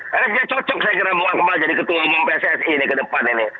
karena saya cocok saya kira bu akmal jadi ketua umum pssi ini ke depan ini